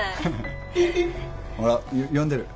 ・ほら呼んでる。